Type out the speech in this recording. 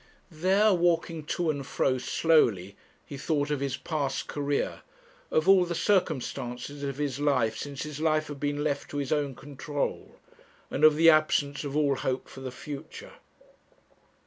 There, walking to and fro slowly, he thought of his past career, of all the circumstances of his life since his life had been left to his own control, and of the absence of all hope for the future.